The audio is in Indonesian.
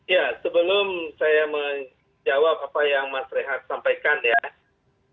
ya sebelum saya menjawab apa yang mas rehat sampaikan ya